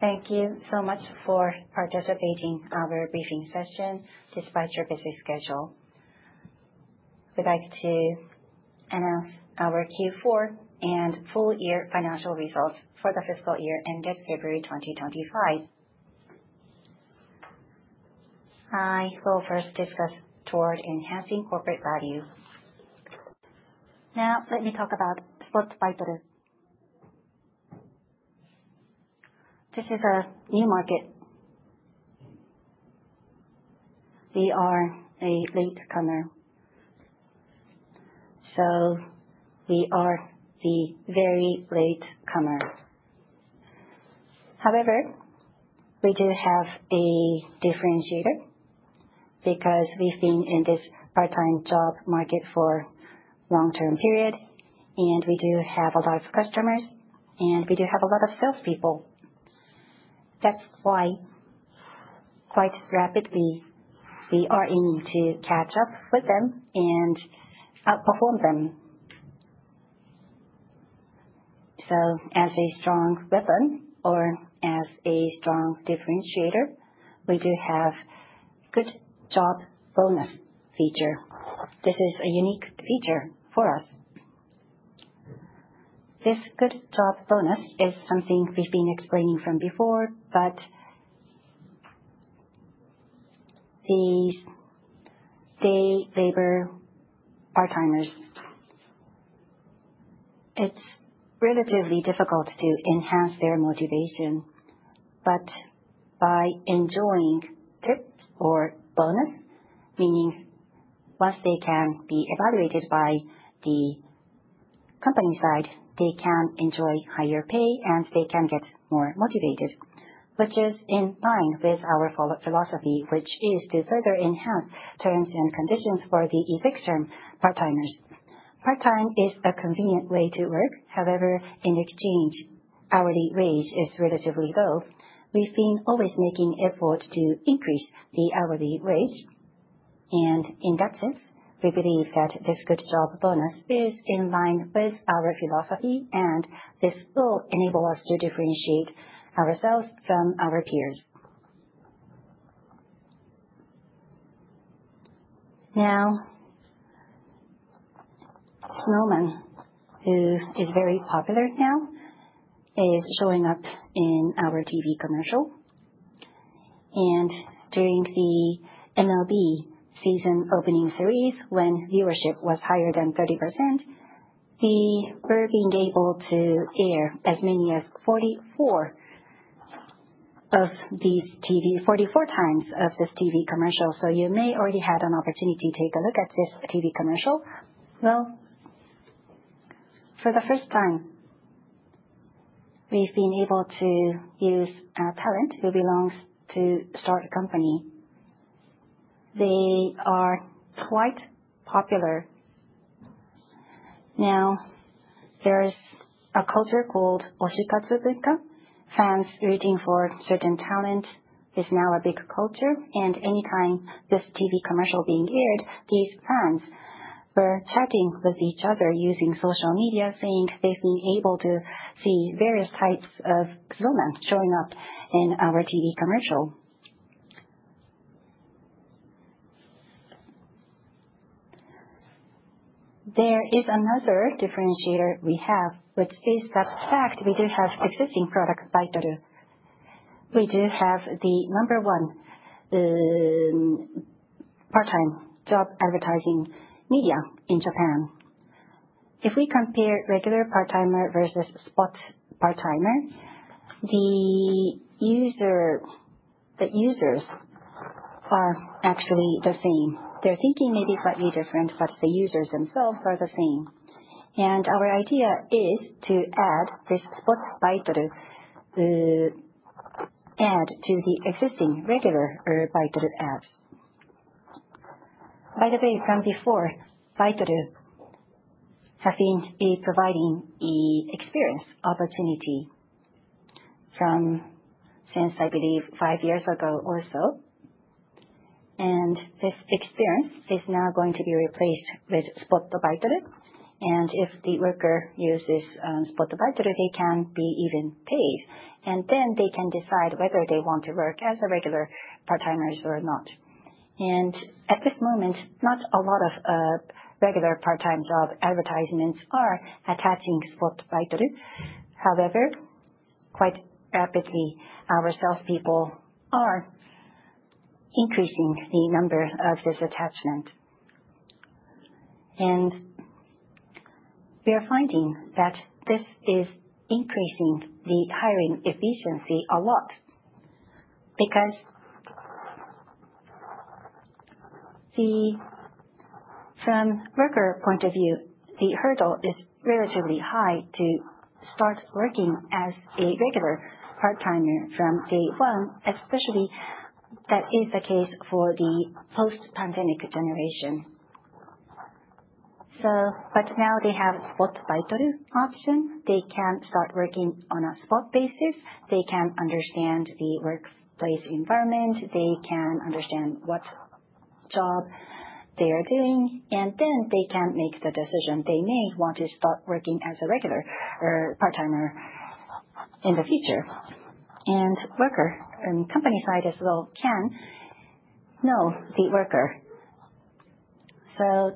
Thank you so much for participating our briefing session despite your busy schedule. We'd like to announce our Q4 and full year financial results for the fiscal year ended February 2025. I will first discuss toward enhancing corporate value. Let me talk about Spot Baitoru. This is a new market. We are a latecomer. We are the very latecomer. However, we do have a differentiator because we've been in this part-time job market for long-term period, and we do have a lot of customers, and we do have a lot of salespeople. That's why quite rapidly, we are aiming to catch up with them and outperform them. As a strong weapon or as a strong differentiator, we do have Good Job Bonus feature. This is a unique feature for us. This Good Job Bonus is something we've been explaining from before. These day labor part-timers, it's relatively difficult to enhance their motivation. By enjoying tips or bonus, meaning once they can be evaluated by the company side, they can enjoy higher pay and they can get more motivated. Which is in line with our philosophy, which is to further enhance terms and conditions for the existing part-timers. Part-time is a convenient way to work. However, in exchange, hourly wage is relatively low. We've been always making effort to increase the hourly wage and in that sense, we believe that this Good Job Bonus is in line with our philosophy, and this will enable us to differentiate ourselves from our peers. Snow Man is very popular, is showing up in our TV commercial. During the MLB season opening series, when viewership was higher than 30%, we were being able to air as many as 44 times of this TV commercial. You may already had an opportunity to take a look at this TV commercial. Well, for the first time, we've been able to use our talent who belongs to STARTO ENTERTAINMENT. They are quite popular. There's a culture called Oshikatsu Bunka. Fans rooting for certain talent is now a big culture. Anytime this TV commercial being aired, these fans were chatting with each other using social media, saying they've been able to see various types of Snow Man showing up in our TV commercial. There is another differentiator we have, which is the fact we do have existing product, Baitoru. We do have the number one part-time job advertising media in Japan. If we compare regular part-timer versus spot part-timer, the users are actually the same. Their thinking may be slightly different, the users themselves are the same. Our idea is to add this Spot Baitoru, add to the existing regular Baitoru ads. By the way, from before, Baitoru have been providing the experience opportunity since, I believe, five years ago or so. This experience is now going to be replaced with Spot Baitoru. If the worker uses Spot Baitoru, they can be even paid, and then they can decide whether they want to work as a regular part-timers or not. At this moment, not a lot of regular part-time job advertisements are attaching Spot Baitoru. However, quite rapidly our salespeople are increasing the number of this attachment. We are finding that this is increasing the hiring efficiency a lot because the from worker point of view, the hurdle is relatively high to start working as a regular part-timer from day one, especially that is the case for the post-pandemic generation. Now they have Spot Baitoru option. They can start working on a spot basis. They can understand the workplace environment. They can understand what job they are doing, and then they can make the decision. They may want to start working as a regular or part-timer in the future. Worker, and company side as well, can know the worker.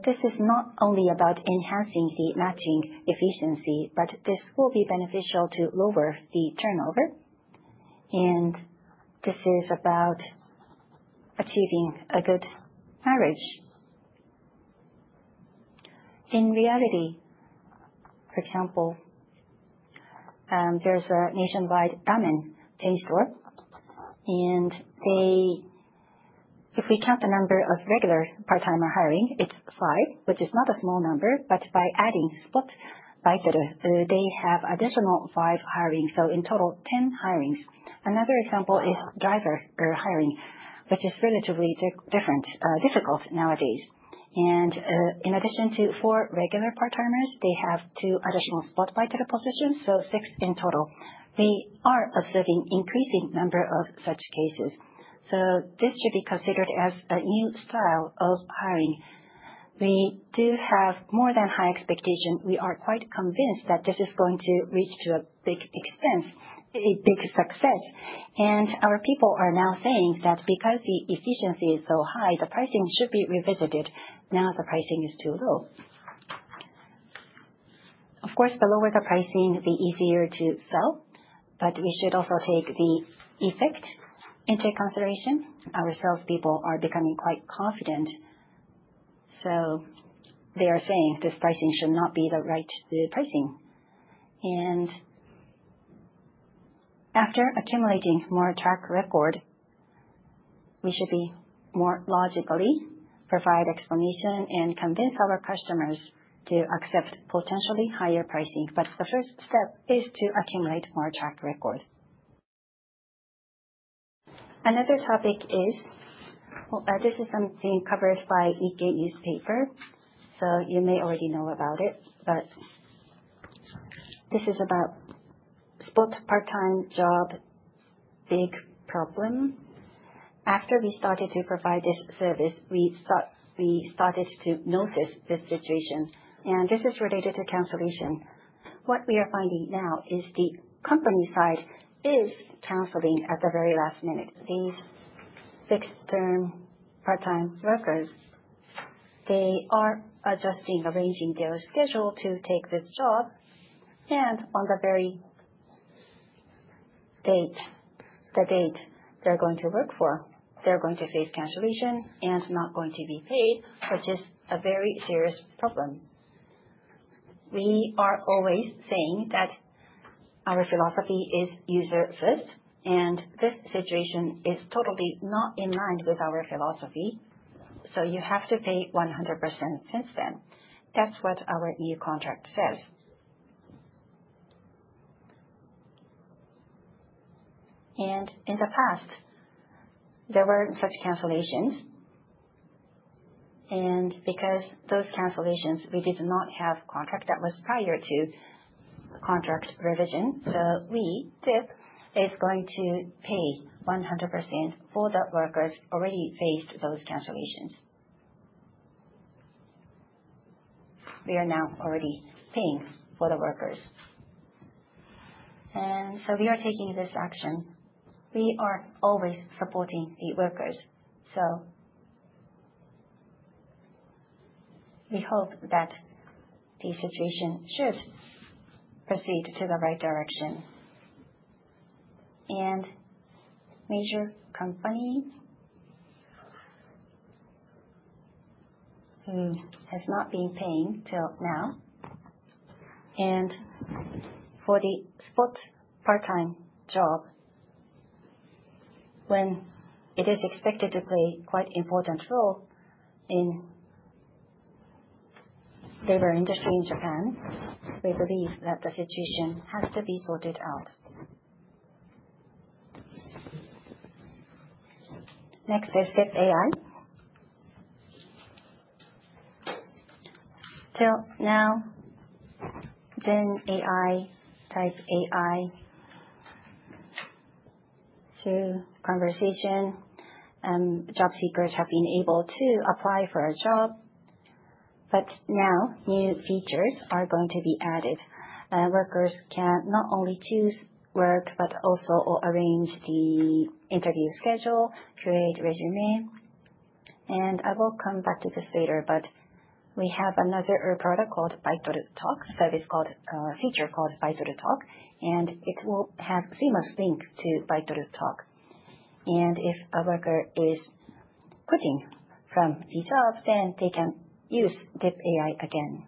This is not only about enhancing the matching efficiency, but this will be beneficial to lower the turnover, and this is about achieving a good marriage. In reality, for example, there's a nationwide ramen chain store, and if we count the number of regular part-timer hiring, it's five, which is not a small number. By adding Spot Baitoru, they have additional five hiring, so in total 10 hirings. Another example is driver hiring, which is relatively difficult nowadays. In addition to four regular part-timers, they have two additional Spot Baitoru positions, so six in total. We are observing increasing number of such cases. This should be considered as a new style of hiring. We do have more than high expectation. We are quite convinced that this is going to reach to a big success. Our people are now saying that because the efficiency is so high, the pricing should be revisited. Now, the pricing is too low. Of course, the lower the pricing, the easier to sell, but we should also take the effect into consideration. Our salespeople are becoming quite confident, so they are saying this pricing should not be the right pricing. After accumulating more track record, we should be more logically provide explanation and convince our customers to accept potentially higher pricing. The first step is to accumulate more track record. Another topic is Well, this is something covered by Nikkei newspaper, so you may already know about it, but this is about spot part-time job big problem. After we started to provide this service, we started to notice this situation, and this is related to cancellation. What we are finding now is the company side is canceling at the very last minute. These fixed-term part-time workers, they are adjusting, arranging their schedule to take this job, and on the very date, the date they're going to work for, they're going to face cancellation and not going to be paid, which is a very serious problem. We are always saying that our philosophy is user first. This situation is totally not in line with our philosophy. You have to pay 100% since then. That's what our new contract says. In the past, there were such cancellations. Because those cancellations, we did not have contract that was prior to contract revision. We, DIP, is going to pay 100% for the workers already faced those cancellations. We are now already paying for the workers. We are taking this action. We are always supporting the workers. We hope that the situation should proceed to the right direction. Major companies who has not been paying till now, and for the spot part-time job, when it is expected to play quite important role in labor industry in Japan, we believe that the situation has to be sorted out. Next is dip AI. Till now, then AI, type AI to conversation, job seekers have been able to apply for a job. Now new features are going to be added. Workers can not only choose work, but also arrange the interview schedule, create resume. I will come back to this later, but we have another product called Baitoru Talk, service called, feature called Baitoru Talk, and it will have seamless link to Baitoru Talk. If a worker is quitting from these jobs, then they can use dip AI again.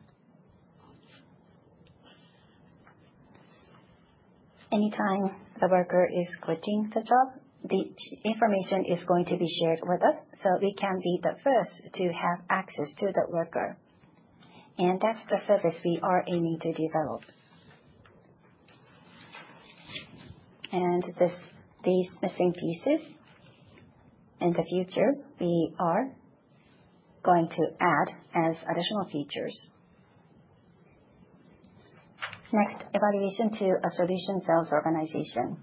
Anytime the worker is quitting the job, the information is going to be shared with us, so we can be the first to have access to that worker. That's the service we are aiming to develop. These missing pieces, in the future, we are going to add as additional features. Next, evaluation to a solution sales organization.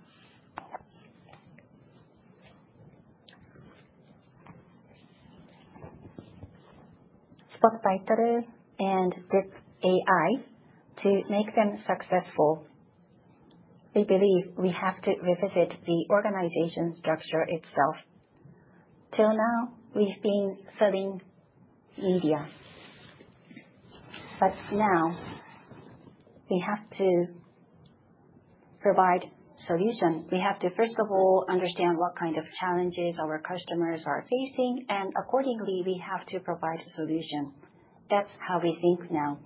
Spot Baitoru and dip AI to make them successful. We believe we have to revisit the organization structure itself. Till now, we've been selling media. Now we have to provide solution. First of all, understand what kind of challenges our customers are facing, and accordingly, we have to provide solution. That's how we think now.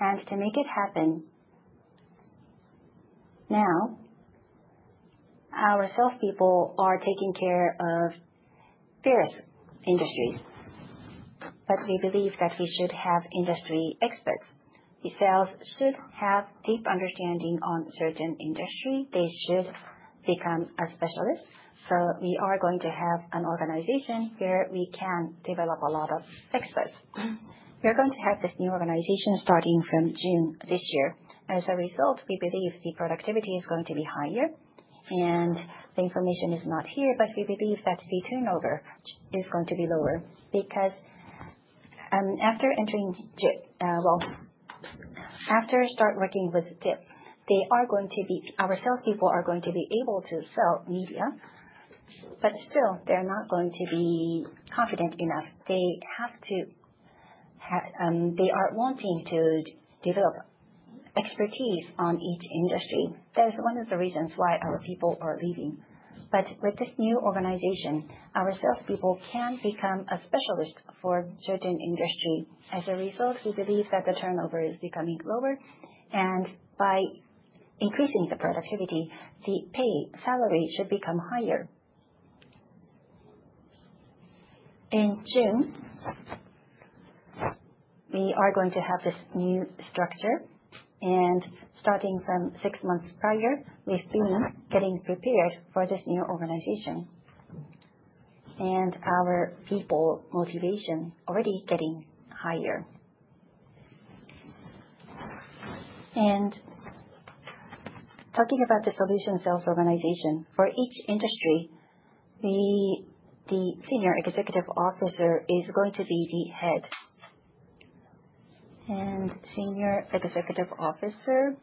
To make it happen, now our sales people are taking care of various industries. We believe that we should have industry experts. The sales should have deep understanding on certain industry. They should become our specialists. We are going to have an organization where we can develop a lot of experts. We are going to have this new organization starting from June this year. As a result, we believe the productivity is going to be higher and the information is not here, but we believe that the turnover is going to be lower because, after start working with DIP, our sales people are going to be able to sell media, but still they're not going to be confident enough. They are wanting to develop expertise on each industry. That is one of the reasons why our people are leaving. With this new organization, our salespeople can become a specialist for certain industry. We believe that the turnover is becoming lower and by increasing the productivity, the pay, salary should become higher. In June, we are going to have this new structure and starting from six months prior, we've been getting prepared for this new organization. Our people motivation already getting higher. Talking about the solution sales organization, for each industry, the senior executive officer is going to be the head. Senior executive officer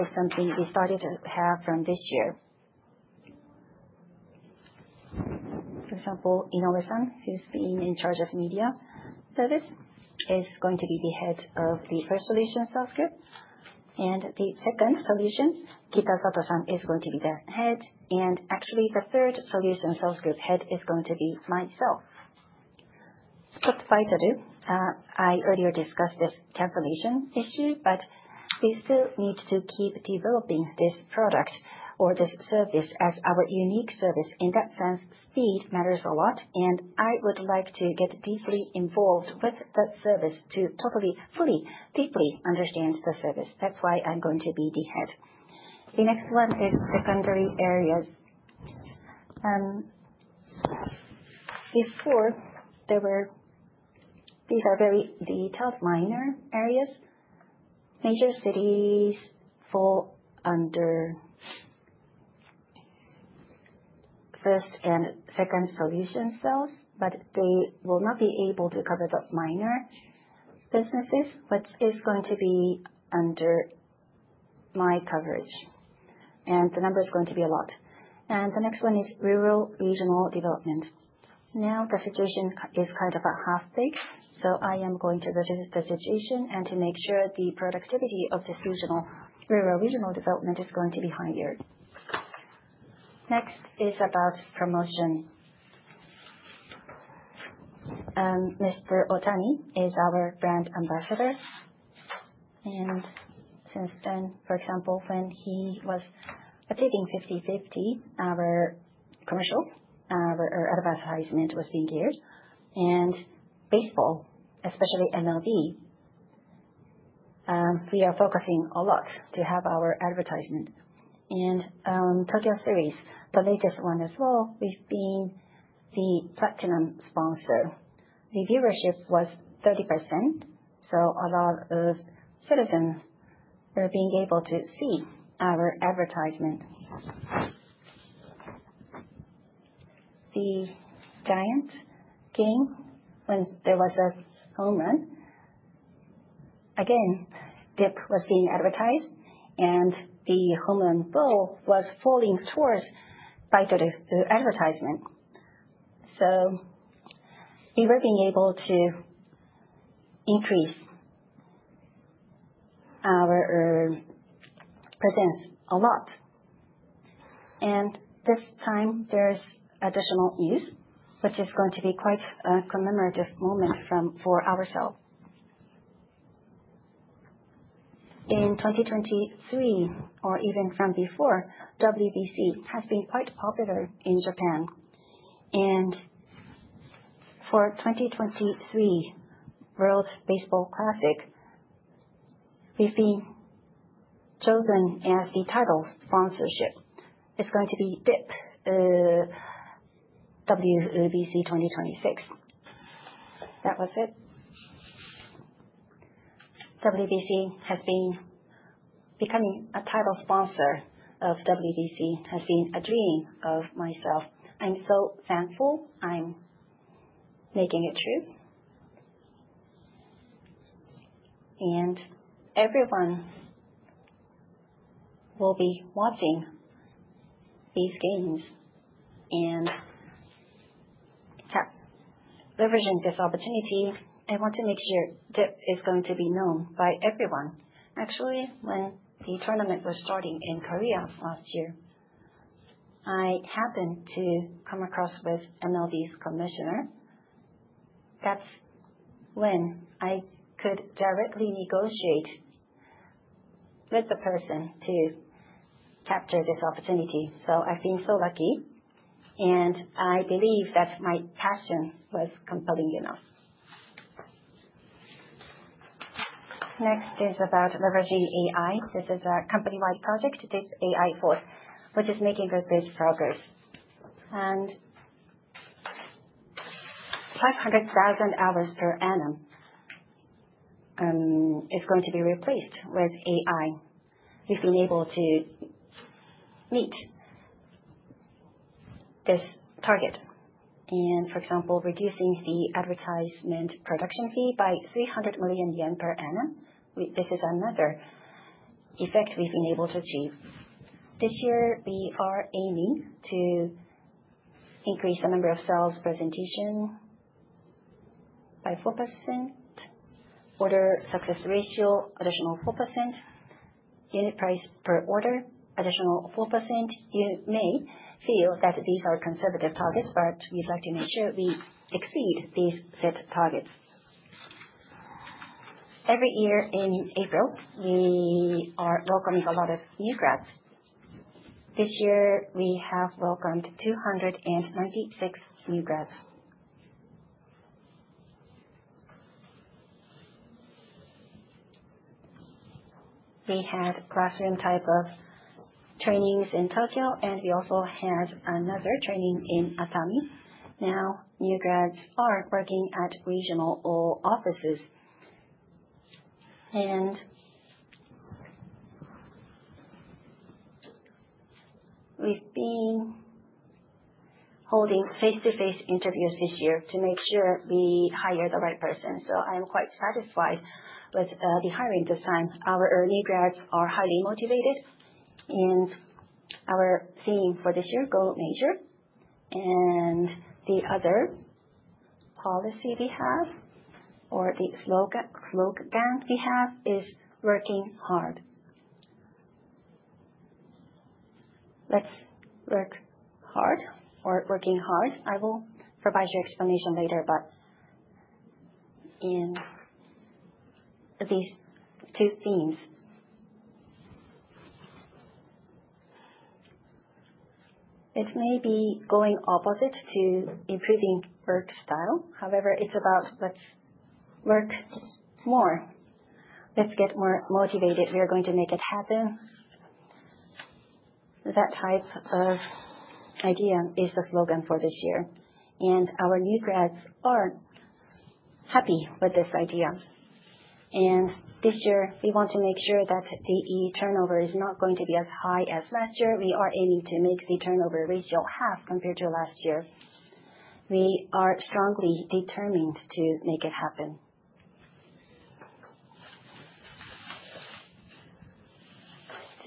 is something we started to have from this year. For example, Inoue, who's been in charge of media service, is going to be the head of the first solution sales group. The second solution, Kitasato is going to be the head. Actually the third solution sales group head is going to be myself. Spot Baitoru, I earlier discussed this transformation issue, but we still need to keep developing this product or this service as our unique service. In that sense, speed matters a lot, and I would like to get deeply involved with that service to totally, fully, deeply understand the service. That's why I'm going to be the head. The next one is secondary areas. These are very detailed minor areas. Major cities fall under first and second solution sales, but they will not be able to cover the minor businesses, which is going to be under my coverage. The number is going to be a lot. The next one is rural regional development. The situation is kind of a half-baked, I am going to revisit the situation and to make sure the productivity of this regional, rural regional development is going to be higher. Promotion. Mr. Otani is our brand ambassador, since then, for example, when he was taking 50/50, our commercial, our advertisement was being aired. Baseball, especially MLB, we are focusing a lot to have our advertisement. Tokyo Series, the latest one as well, we've been the platinum sponsor. The viewership was 30%, A lot of citizens were being able to see our advertisement. The Giants game, when there was a home run, again, DIP was being advertised, The home run ball was falling towards Baitoru's advertisement. We were being able to increase our presence a lot. This time there's additional use, which is going to be quite a commemorative moment for ourselves. In 2023 or even from before, WBC has been quite popular in Japan. For 2023 World Baseball Classic, we've been chosen as the title sponsorship. It's going to be DIP, WBC 2026. That was it. WBC has been becoming a title sponsor of WBC has been a dream of myself. I'm so thankful I'm making it true. Everyone will be watching these games and leveraging this opportunity, I want to make sure that it's going to be known by everyone. Actually, when the tournament was starting in Korea last year, I happened to come across with MLB's commissioner. That's when I could directly negotiate with the person to capture this opportunity. I've been so lucky, and I believe that my passion was compelling enough. Next is about leveraging AI. This is a company-wide project, this dip AI Force, which is making good, big progress. 500,000 hours per annum is going to be replaced with AI. We've been able to meet this target and, for example, reducing the advertisement production fee by 300 million yen per annum. This is another effect we've been able to achieve. This year, we are aiming to increase the number of sales presentation by 4%, order success ratio, additional 4%, unit price per order, additional 4%. You may feel that these are conservative targets, but we'd like to make sure we exceed these set targets. Every year in April, we are welcoming a lot of new grads. This year, we have welcomed 226 new grads. We had classroom type of trainings in Tokyo, and we also had another training in Atami. Now, new grads are working at regional offices. We've been holding face-to-face interviews this year to make sure we hire the right person. I am quite satisfied with the hiring this time. Our early grads are highly motivated and our theme for this year, GO MAJOR!! The other policy we have or the slogan we have is working hard. Let's work hard or working hard. I will provide you explanation later, but in these two themes it may be going opposite to improving work style. It's about let's work more. Let's get more motivated. We are going to make it happen. That type of idea is the slogan for this year, and our new grads are happy with this idea. This year we want to make sure that the turnover is not going to be as high as last year. We are aiming to make the turnover ratio half compared to last year. We are strongly determined to make it happen.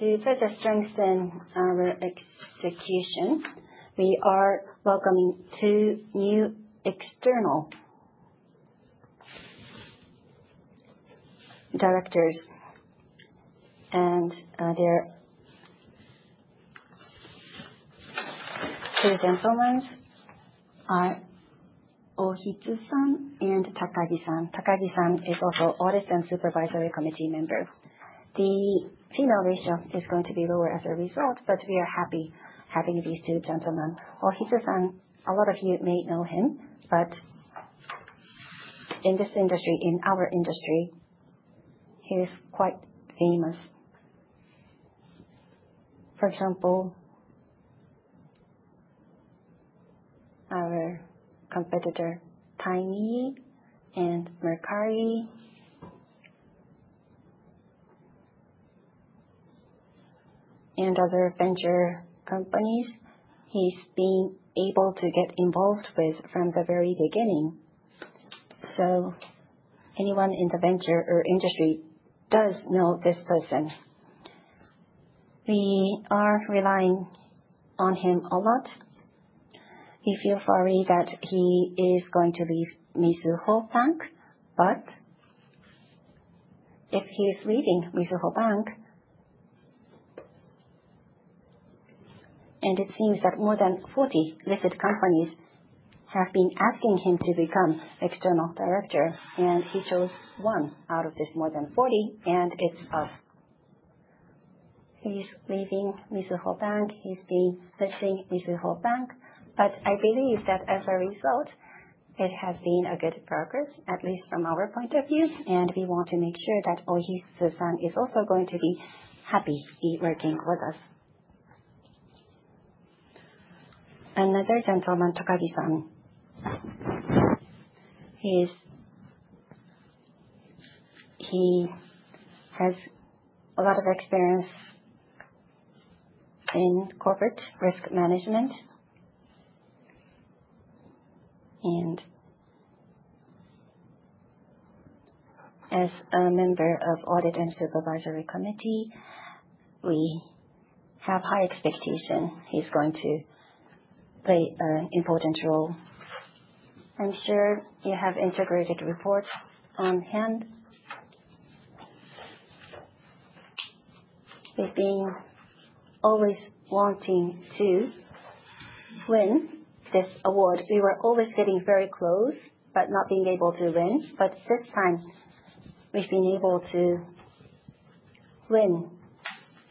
To further strengthen our execution, we are welcoming two new external directors. The gentlemen are Oohitsu-san and Takagi-san. Takagi-san is also Audit and Supervisory Committee Member. The female ratio is going to be lower as a result, but we are happy having these two gentlemen. Oohitsu-san, a lot of you may know him, but in this industry, in our industry, he's quite famous. For example, our competitor, Timee and Mercari and other venture companies he's been able to get involved with from the very beginning. Anyone in the venture or industry does know this person. We are relying on him a lot. We feel sorry that he is going to leave Mizuho Bank. If he is leaving Mizuho Bank, and it seems that more than 40 listed companies have been asking him to become external director, and he chose one out of this more than 40, and it's us. He's leaving Mizuho Bank. He's been searching Mizuho Bank. I believe that as a result, it has been a good progress, at least from our point of view, and we want to make sure that Oohitsu-san is also going to be happy working with us. Another gentleman, Takagi-san. He has a lot of experience in corporate risk management. As a member of Audit & Supervisory Committee, we have high expectation he's going to play an important role. I'm sure you have Integrated Report on hand. We've been always wanting to win this award. We were always getting very close, but not being able to win. This time, we've been able to win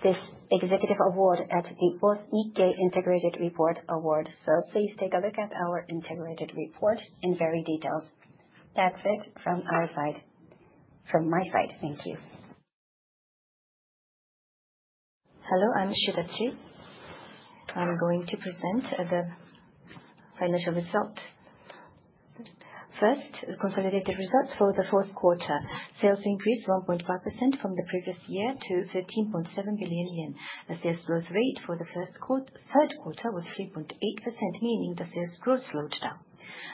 this executive award at the 4th NIKKEI Integrated Report Award. Please take a look at our integrated report in very detailed. That's it from our side. From my side. Thank you. Hello, I'm Shidachi. I'm going to present the financial result. First, consolidated results for the fourth quarter. Sales increased 1.5% from the previous year to 13.7 billion yen. The sales growth rate for the third quarter was 3.8%, meaning the sales growth slowed down.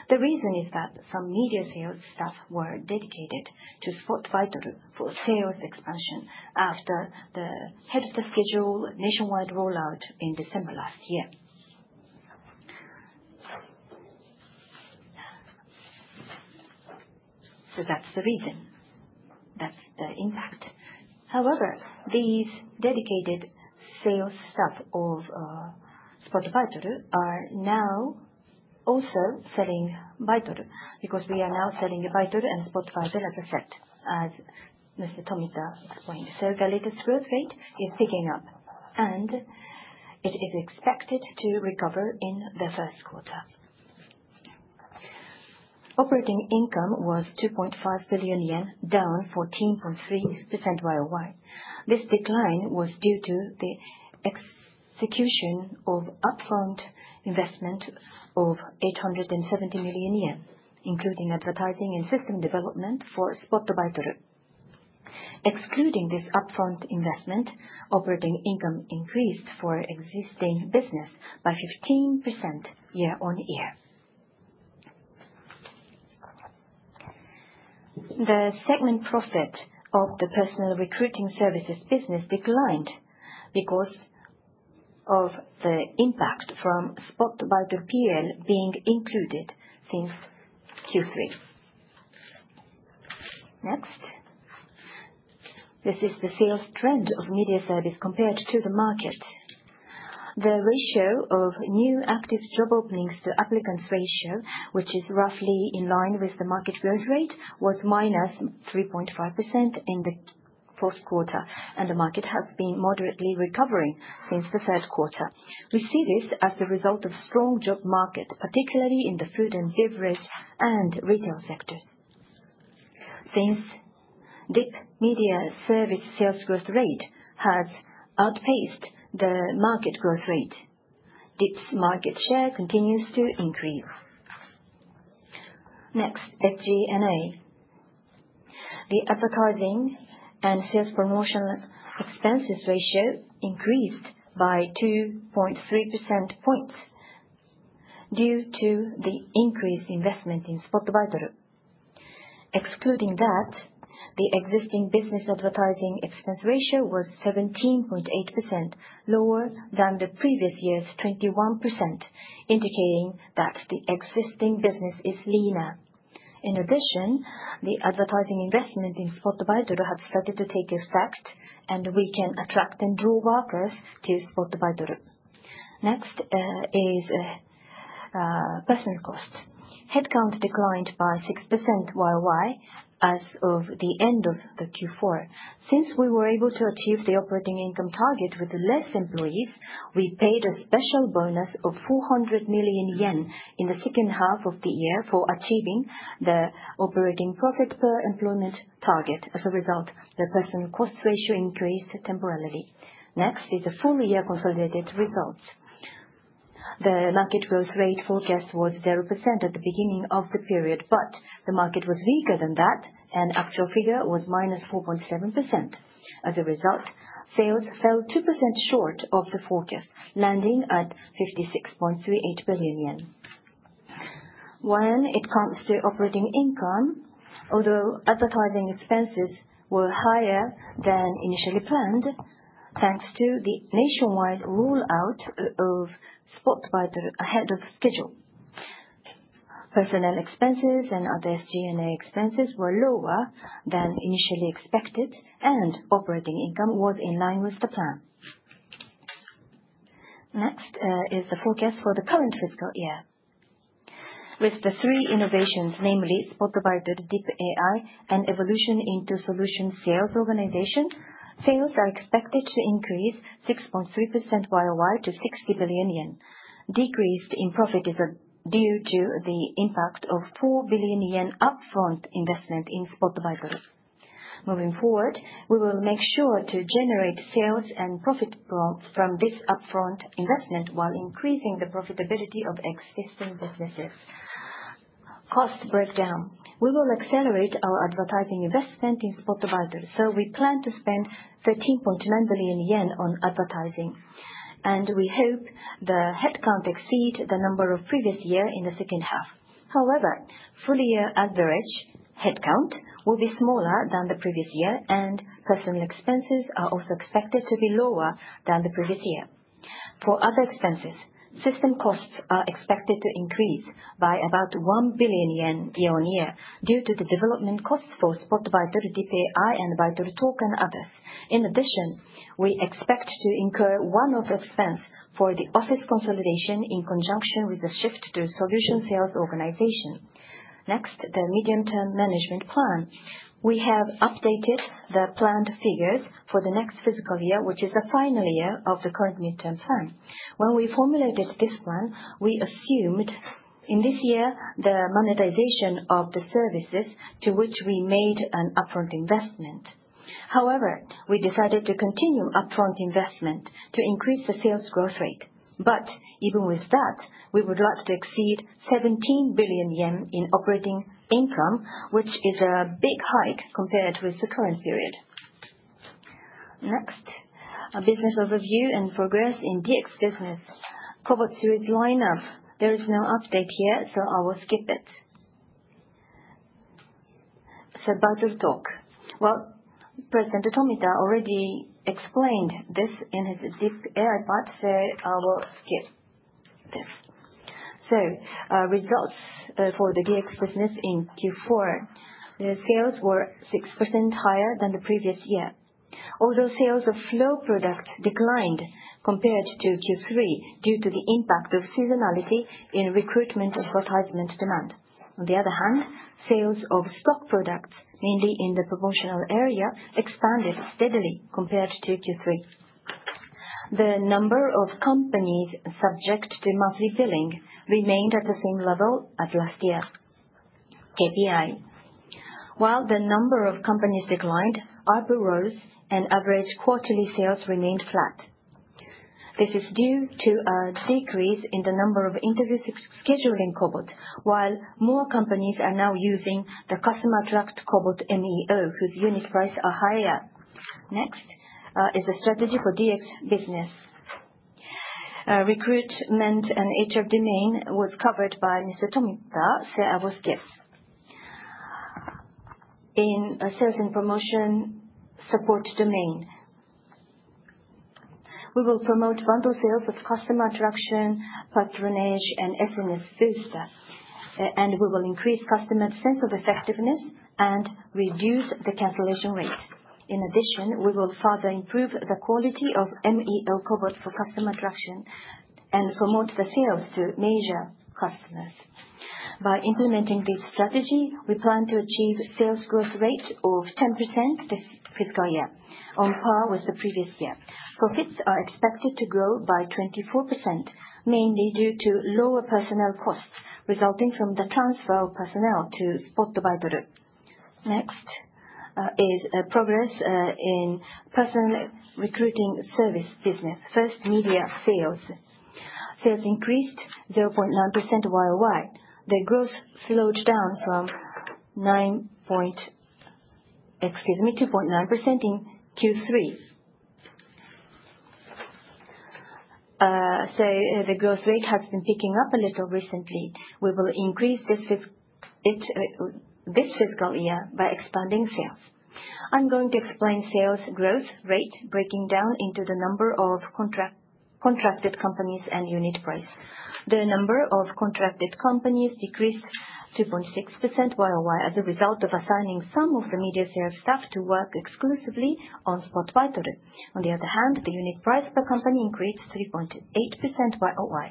The reason is that some media sales staff were dedicated to Spot Baitoru for sales expansion after the head of the schedule nationwide rollout in December last year. That's the reason. That's the impact. However, these dedicated sales staff of Spot Baitoru are now also selling Baitoru because we are now selling Baitoru and Spot Baitoru as a set, as Mr. Tomita explained. The latest growth rate is picking up, and it is expected to recover in the first quarter. Operating income was 2.5 billion yen, down 14.3% YoY. This decline was due to the execution of upfront investment of 870 million yen, including advertising and system development for Spot Baitoru. Excluding this upfront investment, operating income increased for existing business by 15% year-on-year. The segment profit of the personal recruiting services business declined because of the impact from Spot Baitoru PL being included since Q3. Next. This is the sales trend of media service compared to the market. The ratio of new active job openings to applicants ratio, which is roughly in line with the market growth rate, was -3.5% in the fourth quarter, and the market has been moderately recovering since the third quarter. We see this as a result of strong job market, particularly in the food and beverage and retail sector. Since DIP Media service sales growth rate has outpaced the market growth rate, DIP's market share continues to increase. Next, SG&A. The advertising and sales promotional expenses ratio increased by 2.3 percent points due to the increased investment in Spot Baitoru. Excluding that, the existing business advertising expense ratio was 17.8%, lower than the previous year's 21%, indicating that the existing business is leaner. In addition, the advertising investment in Spot Baitoru have started to take effect, and we can attract and draw workers to Spot Baitoru. Next, is personal cost. Headcount declined by 6% YoY as of the end of the Q4. Since we were able to achieve the operating income target with less employees, we paid a special bonus of 400 million yen in the second half of the year for achieving the operating profit per employment target. As a result, the personal cost ratio increased temporarily. The full year consolidated results. The market growth rate forecast was 0% at the beginning of the period, but the market was weaker than that, and actual figure was -4.7%. As a result, sales fell 2% short of the forecast, landing at 56.38 billion yen. When it comes to operating income, although advertising expenses were higher than initially planned, thanks to the nationwide rollout of Spot Baitoru ahead of schedule, personnel expenses and other SG&A expenses were lower than initially expected, and operating income was in line with the plan. Next, is the forecast for the current fiscal year. With the three innovations, namely Spot Baitoru, dip AI, and evolution into solution sales organization, sales are expected to increase 6.3% YoY to 60 billion yen. Decrease in profit is due to the impact of 4 billion yen upfront investment in Spot Baitoru. Moving forward, we will make sure to generate sales and profit growth from this upfront investment while increasing the profitability of existing businesses. Cost breakdown. We will accelerate our advertising investment in Spot Baitoru, so we plan to spend 30.9 billion yen on advertising, and we hope the headcount exceed the number of previous year in the second half. However, full year average headcount will be smaller than the previous year, and personal expenses are also expected to be lower than the previous year. For other expenses, system costs are expected to increase by about 1 billion yen year-on-year due to the development costs for Spot Baitoru, dip AI and Baitoru Talk and others. We expect to incur one-off expense for the office consolidation in conjunction with the shift to solution sales organization. Next, the medium-term management plan. We have updated the planned figures for the next fiscal year, which is the final year of the current midterm plan. When we formulated this plan, we assumed in this year the monetization of the services to which we made an upfront investment. We decided to continue upfront investment to increase the sales growth rate. Even with that, we would like to exceed 17 billion yen in operating income, which is a big hike compared with the current period. Next, our business overview and progress in DX business. KOBOT series lineup. There is no update here, so I will skip it. Baitoru Talk. Well, President Tomita already explained this in his deep dive part, so I will skip this. Results for the DX business in Q4. The sales were 6% higher than the previous year. Although sales of flow products declined compared to Q3 due to the impact of seasonality in recruitment and advertisement demand. On the other hand, sales of stock products, mainly in the promotional area, expanded steadily compared to Q3. The number of companies subject to monthly billing remained at the same level as last year. KPI. While the number of companies declined, ARPU rose and average quarterly sales remained flat. This is due to a decrease in the number of interviews scheduling KOBOT, while more companies are now using the customer direct MEO KOBOT, whose unit price are higher. Next is the strategy for DX business. Recruitment and HR domain was covered by Mr. Tomita, so I will skip. In sales and promotion support domain. We will promote bundle sales with customer attraction, patronage, and effortless booster. We will increase customer sense of effectiveness and reduce the cancellation rate. In addition, we will further improve the quality of MEO KOBOT for customer attraction and promote the sales to major customers. By implementing this strategy, we plan to achieve sales growth rate of 10% this fiscal year, on par with the previous year. Profits are expected to grow by 24%, mainly due to lower personnel costs resulting from the transfer of personnel to Spot Baitoru. Next is progress in personal recruiting service business. First, media sales. Sales increased 0.9% YoY. The growth slowed down from 2.9% in Q3. The growth rate has been picking up a little recently. We will increase this fiscal year by expanding sales. I'm going to explain sales growth rate breaking down into the number of contract, contracted companies and unit price. The number of contracted companies decreased 2.6% YoY as a result of assigning some of the media sales staff to work exclusively on Spot Baitoru. The unit price per company increased 3.8% YoY.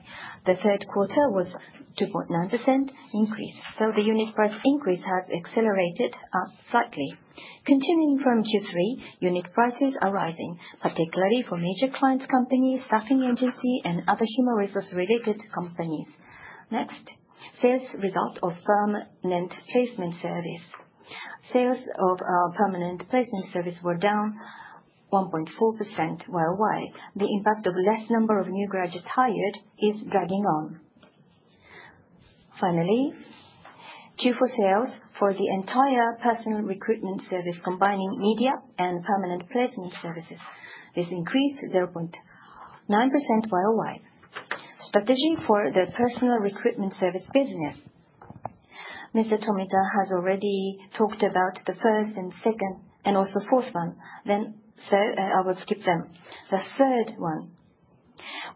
The third quarter was 2.9% increase, the unit price increase has accelerated slightly. Continuing from Q3, unit prices are rising, particularly for major clients companies, staffing agency and other human resource-related companies. Sales result of permanent placement service. Sales of our permanent placement service were down 1.4% YoY. The impact of less number of new graduates hired is dragging on. Q4 sales for the entire personal recruitment service, combining media and permanent placement services, has increased 0.9% YoY. Strategy for the personal recruitment service business. Mr. Tomita has already talked about the first and second and also fourth one, I will skip them. The third one,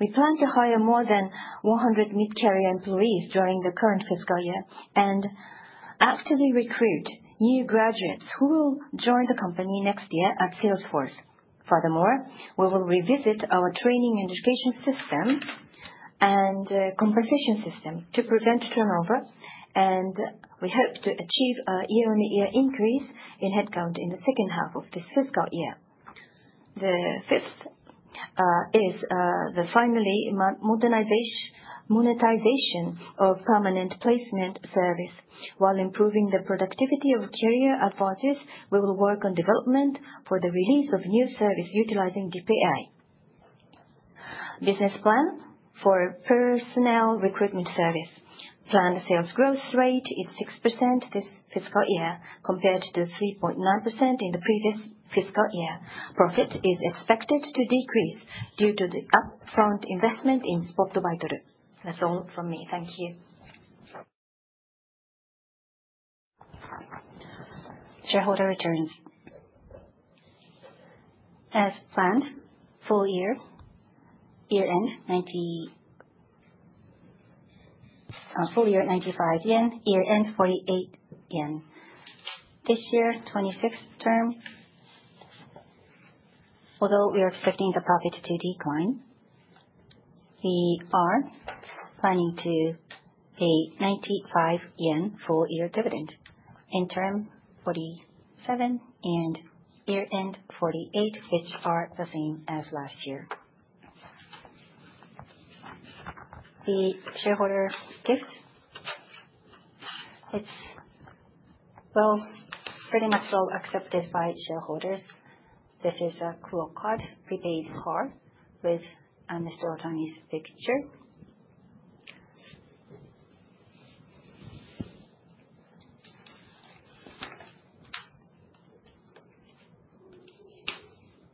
we plan to hire more than 100 mid-career employees during the current fiscal year and actively recruit new graduates who will join the company next year at Salesforce. We will revisit our training and education system and compensation system to prevent turnover, and we hope to achieve a year-on-year increase in headcount in the second half of this fiscal year. The fifth is the finally monetization of permanent placement service. While improving the productivity of career advisors, we will work on development for the release of new service utilizing dip AI. Business plan for personnel recruitment service. Planned sales growth rate is 6% this fiscal year, compared to the 3.9% in the previous fiscal year. Profit is expected to decrease due to the upfront investment in Spot Baitoru. That's all from me. Thank you. Shareholder returns. As planned, full year 95 yen, year-end 48 yen. This year, 25th term. Although we are expecting the profit to decline, we are planning to pay 95 yen full-year dividend. In term 47 and year-end 48, which are the same as last year. The shareholder gifts, it's, well, pretty much well accepted by shareholders. This is a QUO CARD prepaid card with Mr. Otani's picture.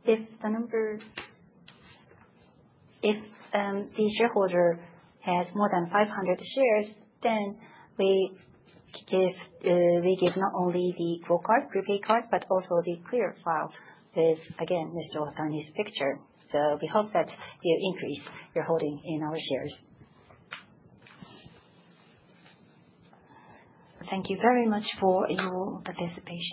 If the shareholder has more than 500 shares, then we give not only the QUO CARD prepaid card, but also the Clear file with, again, Mr. Otani's picture. We hope that you increase your holding in our shares. Thank you very much for your participation.